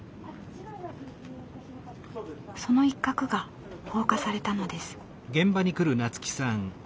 その一角が放火されたのです。